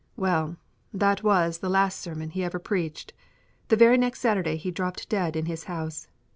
Well, that was the last sermon he ever preached. The very next Saturday he dropped dead in his house.